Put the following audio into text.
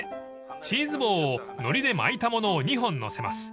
［チーズ棒をのりで巻いたものを２本のせます］